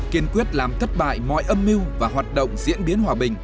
kiên quyết làm thất bại mọi âm mưu và hoạt động diễn biến hòa bình